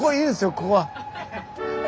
ここは。